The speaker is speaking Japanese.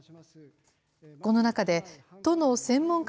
この中で、都の専門家